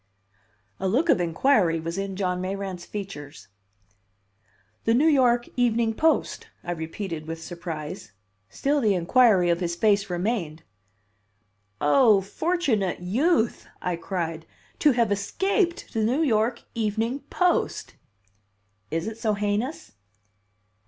A look of inquiry was in John Mayrant's features. "The New York Evening Post," I repeated with surprise. Still the inquiry of his face remained. "Oh, fortunate youth!" I cried. "To have escaped the New York Evening Post!" "Is it so heinous?"